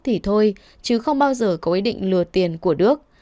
thì thôi chứ không bao giờ có ý định lừa tiền của đức